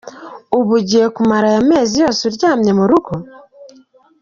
Ubu ugiye kumara aya mezi yose uryamye mu rugo ?.